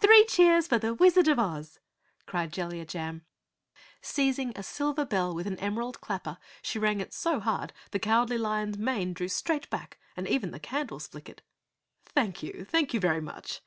"Three cheers for the Wizard of Oz!" cried Jellia Jam. Seizing a silver bell with an emerald clapper, she rang it so hard the Cowardly Lion's mane blew straight back and even the candles flickered. "Thank you! Thank you very much!"